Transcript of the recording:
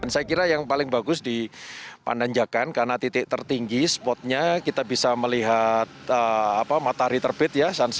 saya kira yang paling bagus di pananjakan karena titik tertinggi spotnya kita bisa melihat matahari terbit ya